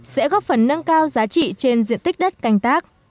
sẽ góp phần nâng cao giá trị trên diện tích đất canh tác